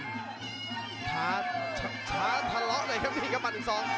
ท้าทะเลาะเลยครับนี่ก็มาอีกสอง